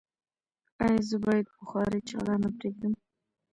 ایا زه باید بخاری چالانه پریږدم؟